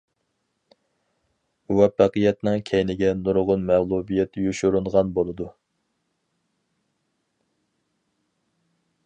مۇۋەپپەقىيەتنىڭ كەينىگە نۇرغۇن مەغلۇبىيەت يوشۇرۇنغان بولىدۇ.